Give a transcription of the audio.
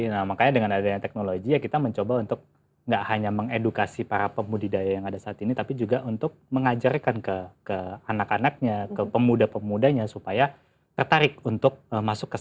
nah makanya dengan adanya teknologi ya kita mencoba untuk gak hanya mengedukasi para pembudidaya yang ada saat ini tapi juga untuk mengajarkan ke anak anaknya ke pemuda pemudanya supaya tertarik untuk masuk ke sekolah